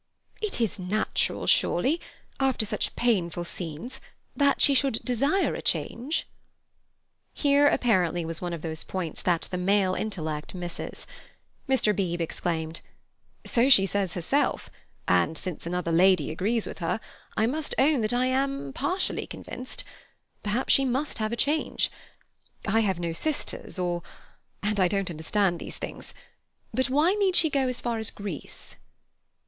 "It is natural, surely—after such painful scenes—that she should desire a change." Here, apparently, was one of those points that the male intellect misses. Mr. Beebe exclaimed: "So she says herself, and since another lady agrees with her, I must own that I am partially convinced. Perhaps she must have a change. I have no sisters or—and I don't understand these things. But why need she go as far as Greece?"